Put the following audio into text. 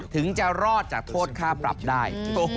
ถึงจะรอดจากโทษค่าปรับได้